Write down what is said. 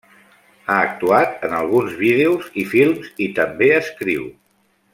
Ha actuat en alguns vídeos i films i també escriu.